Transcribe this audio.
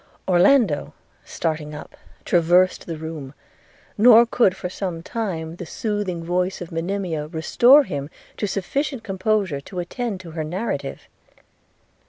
Orlando, starting up, traversed the room; nor could, for some time, the soothing voice of Monimia restore him to sufficient composure to attend to her narrative.